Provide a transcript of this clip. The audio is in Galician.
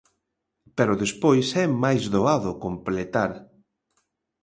Pero despois é máis doado completar.